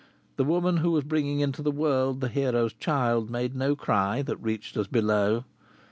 The woman who was bringing into the world the hero's child made no cry that reached us below.